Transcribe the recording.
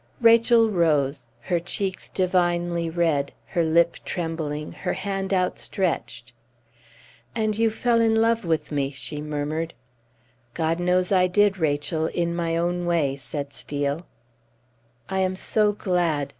Rachel rose, her cheeks divinely red, her lip trembling, her hand outstretched. "And you fell in love with me!" she murmured. "God knows I did, Rachel, in my own way," said Steel. "I am so glad!"